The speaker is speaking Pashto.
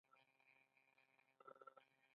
کوسه کب څنګه بوی حس کوي؟